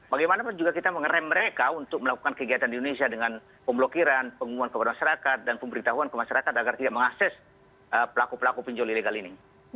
bagaimanapun juga kita mengerem mereka untuk melakukan kegiatan di indonesia dengan pemblokiran pengumuman kepada masyarakat dan pemberitahuan ke masyarakat agar tidak mengakses pelaku pelaku pinjol ilegal ini